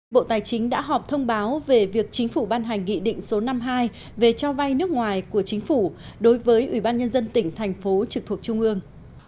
bộ tài chính đã họp thông báo về việc chính phủ ban hành nghị định số năm mươi hai về cho vay nước ngoài của chính phủ đối với ủy ban nhân dân tỉnh thành phố trực thuộc trung ương